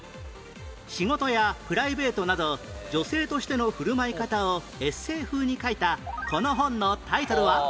仕事やプライベートなど女性としての振る舞い方をエッセイ風に書いたこの本のタイトルは？